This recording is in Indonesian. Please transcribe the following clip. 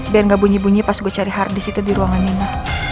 biar gak bunyi bunyi pas gue cari harddisk itu di ruangan nino